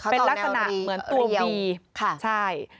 เป็นลักษณะเหมือนตัวบีใช่